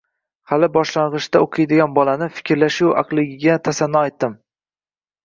Hali boshlangʻichda oʻqiydigan bolani, fikrlashi-yu, aqlliligiga tasanno aytdim.